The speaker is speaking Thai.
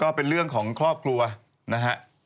ก็เป็นเรื่องของครอบครัวนะฮะ